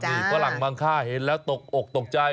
นี่ฝรั่งบางค่าเห็นแล้วตกอกตกใจ